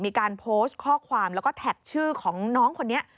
มีการโพสต์ข้อความแล้วก็แท็กชื่อของน้องคนนี้